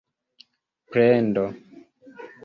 plendo